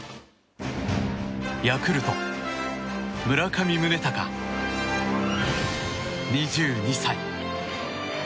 ヤクルト村上宗隆、２２歳。